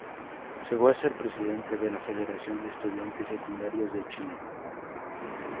Llegó a ser presidente de la Federación de Estudiantes Secundarios de Chile.